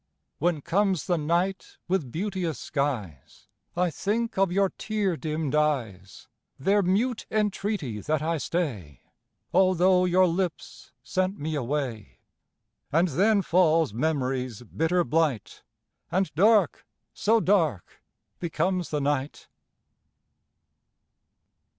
When comes the night with beauteous skies, I think of your tear dimmed eyes, Their mute entreaty that I stay, Although your lips sent me away; And then falls memory's bitter blight, And dark so dark becomes the night.